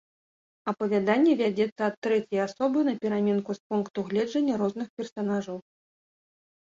Апавяданне вядзецца ад трэцяй асобы, напераменку з пункту гледжання розных персанажаў.